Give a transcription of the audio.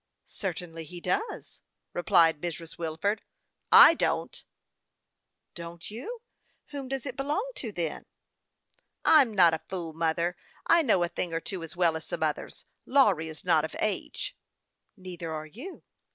" Certainly he does," replied Mrs. Wilford, aston ished at this remark. " I don't." " Don't you ? Whom does it belong to, then ?" "I'm not a fool, mother ; I know a thing or two as well as some others. Lawry is not of age." " Neither are you."